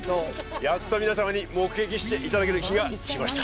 やっとみな様に目撃していただける日がきました